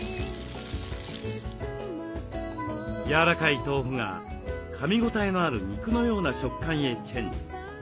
やわらかい豆腐がかみ応えのある肉のような食感へチェンジ。